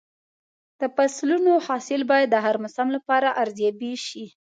د فصلونو حاصل باید د هر موسم لپاره ارزیابي شي.